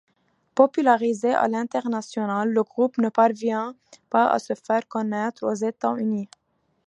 Popularisé à l'international, le groupe ne parvient pas à se faire connaitre aux États-Unis.